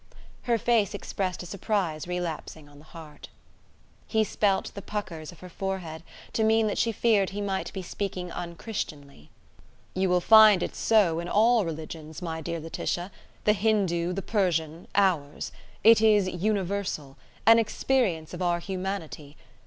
Her face expressed a surprise relapsing on the heart. He spelt the puckers of her forehead to mean that she feared he might be speaking unchristianly. "You will find it so in all religions, my dear Laetitia: the Hindoo, the Persian, ours. It is universal; an experience of our humanity.